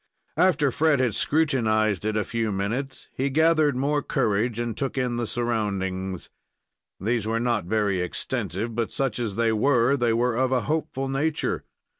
After Fred had scrutinized it a few minutes he gathered more courage and took in the surroundings. These were not very extensive, but such as they were, they were of a hopeful nature.